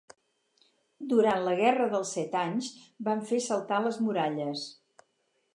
Durant la Guerra dels Set Anys van fer saltar les muralles.